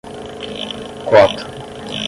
quota